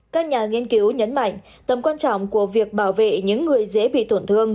các nhà nghiên cứu nhấn mạnh tầm quan trọng của việc bảo vệ những người dễ bị tổn thương